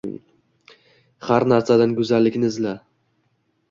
Har narsadan go‘zallikni izla.